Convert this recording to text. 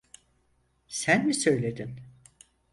Sen mi söyledin?